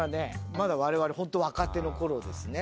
まだ我々ホント若手の頃ですね。